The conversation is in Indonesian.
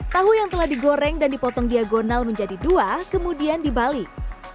tahu yang telah digoreng dan dipotong diagonal menjadi dua kemudian dibalik